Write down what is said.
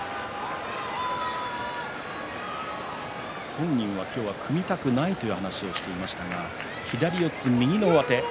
本人は今日は組みたくないという話をしていましたが左四つ、右の上手。